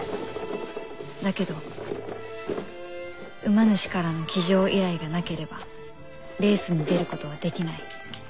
だけど馬主からの騎乗依頼がなければレースに出ることはできない。